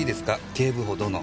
警部補殿。